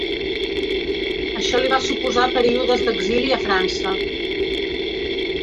Això li va suposar períodes d'exili a França.